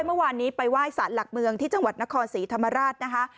เมื่อวานนี้ไปไหว้สารหลักเมืองที่จังหวัดนครศรีธรรมราชนะคะ